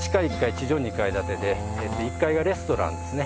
地上２階建てで１階がレストランですね。